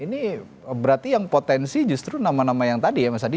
ini berarti yang potensi justru nama nama yang tadi ya mas hadi